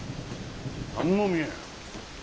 何も見えん。